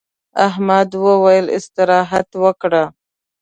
احمد وويل: استراحت وکړه.